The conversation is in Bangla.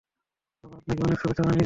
বাবা আপনাকে অনেক শুভেচ্ছা জানিয়েছেন।